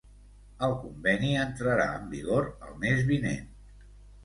El conveni entrarà en vigor el mes vinent.